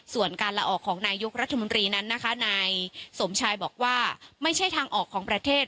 ส่วนการละออกของนายยกรัฐมนตรีนั้นนะคะนายสมชายบอกว่าไม่ใช่ทางออกของประเทศ